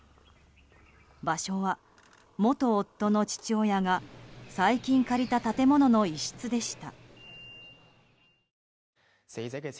場所は、元夫の父親が最近借りた建物の一室でした。